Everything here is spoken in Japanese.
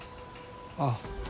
ああ。